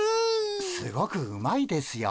すごくうまいですよ。